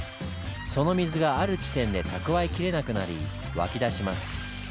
その水がある地点で蓄えきれなくなり湧き出します。